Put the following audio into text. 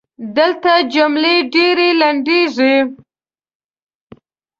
دلته جملې ډېري لنډیږي.